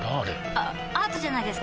あアートじゃないですか？